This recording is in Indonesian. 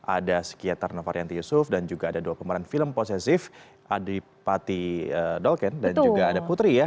ada psikiater novaryanti yusuf dan juga ada dua pemeran film posesif adipati dolken dan juga ada putri ya